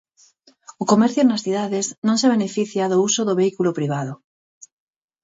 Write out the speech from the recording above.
O comercio nas cidades non se beneficia do uso do vehículo privado.